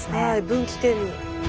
分岐点に。